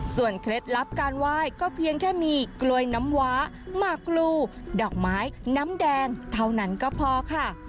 เคล็ดลับการไหว้ก็เพียงแค่มีกล้วยน้ำว้าหมากพลูดอกไม้น้ำแดงเท่านั้นก็พอค่ะ